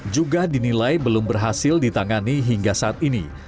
juga dinilai belum berhasil ditangani hingga saat ini